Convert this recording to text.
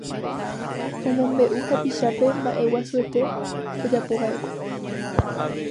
Omombe'u hapichápe mba'eguasuete ojapova'ekue